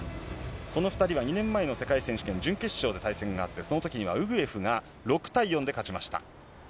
この２人は２年前の世界選手権準決勝で対戦があって、そのときにはウグエフが６対４で勝ちました。